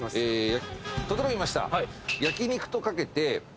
整いました。